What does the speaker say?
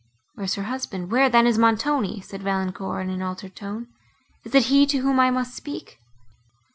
"Where is her husband, where, then, is Montoni?" said Valancourt, in an altered tone: "it is he, to whom I must speak."